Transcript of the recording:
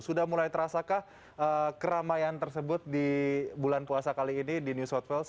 sudah mulai terasakah keramaian tersebut di bulan puasa kali ini di new south wales